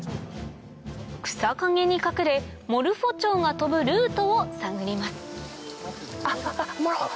草陰に隠れモルフォチョウが飛ぶルートを探りますあっモルフォ！